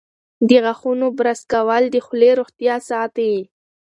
د غاښونو برس کول د خولې روغتیا ساتي.